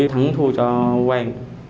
thắng thu cho quang